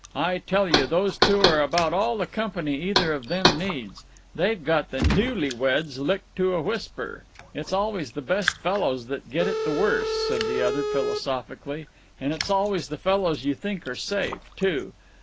I tell you, those two are about all the company either of them needs. They've got the Newly weds licked to a whisper." "It's always the best fellows that get it the worse," said the other philosophically, "and it's always the fellows you think are safe too.